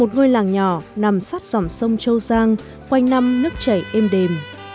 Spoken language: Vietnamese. một ngôi làng nhỏ nằm sát dòng sông châu giang quanh năm nước chảy êm đềm